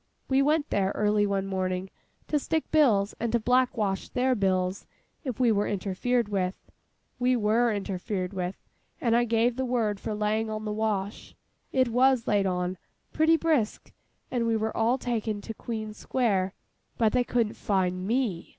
We went there, early one morning, to stick bills and to black wash their bills if we were interfered with. We were interfered with, and I gave the word for laying on the wash. It was laid on—pretty brisk—and we were all taken to Queen Square: but they couldn't fine me.